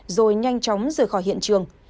rồi nhanh chóng rời khỏi hiện trường